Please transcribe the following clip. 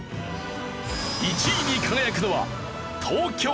１位に輝くのは東京か？